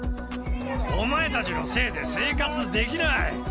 お前たちのせいで生活できない！